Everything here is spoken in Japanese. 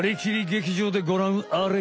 劇場」でごらんあれ！